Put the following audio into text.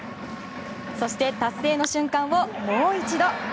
そして、達成の瞬間をもう一度。